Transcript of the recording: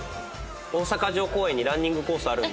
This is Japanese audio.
大阪城公園にランニングコースあるんで。